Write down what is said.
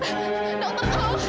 cukup cukup cukup